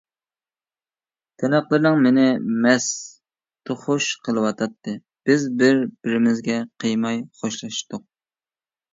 تىنىقلىرىڭ مېنى مەستخۇش قىلىۋاتاتتى. بىز بىر-بىرىمىزگە قىيماي خوشلاشتۇق.